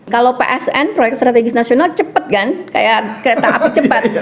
kalau psn proyek strategis nasional cepat kan kayak kereta api cepat